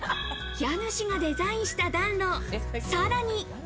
家主がデザインした暖炉、さらに。